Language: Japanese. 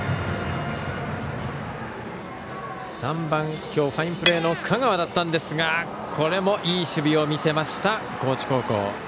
３番、今日ファインプレーの賀川だったんですがこれもいい守備を見せました高知高校。